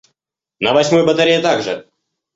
На восьмой батарее так же.